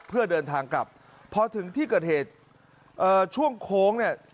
เพื่อเดินทางกลับพอถึงที่เกิดเหตุเอ่อช่วงโค้งเนี่ย